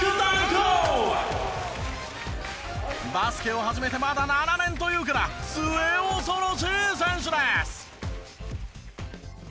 バスケを始めてまだ７年というから末恐ろしい選手です！